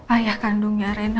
ayah kandungnya rena